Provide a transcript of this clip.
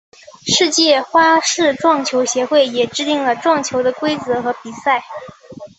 世界花式撞球协会也制定撞球的规则和比赛。